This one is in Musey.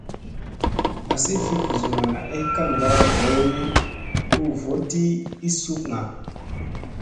Asi fi buzuna ay kaŋga vooy hu voɗti ii sukŋga.